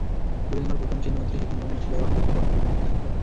বুড়িগঙ্গার প্রথম চীন মৈত্রী সেতু নির্মাণের ব্যয় বহন করেছিল গণপ্রজাতন্ত্রী চীন।